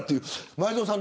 前園さん